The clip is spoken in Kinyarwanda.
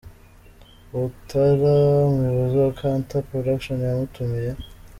Ouattara, umuyobozi wa Canta Production yamutumiye.